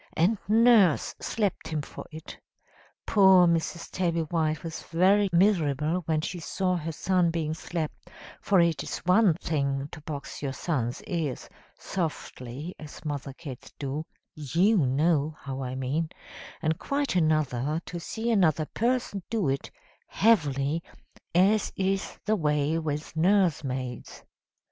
And Nurse slapped him for it. Poor Mrs. Tabby White was very miserable when she saw her son being slapped: for it is one thing to box your son's ears (softly, as mother cats do; you know how I mean), and quite another to see another person do it heavily, as is the way with nursemaids.